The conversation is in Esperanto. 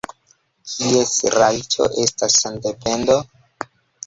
Kies rajto estas sendependo?